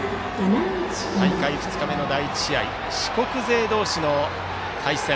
大会２日目の第１試合四国勢同士の対戦。